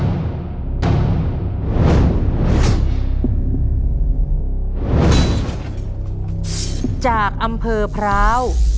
น้องป๋องเลือกเรื่องระยะทางให้พี่เอื้อหนุนขึ้นมาต่อชีวิต